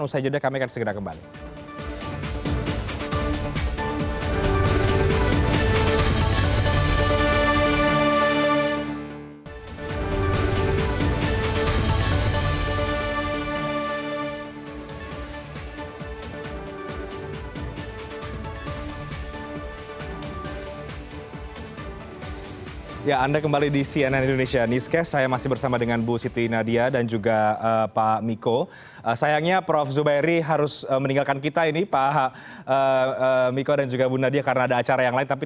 usai jeda kami akan segera kembali